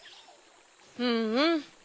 うんうん。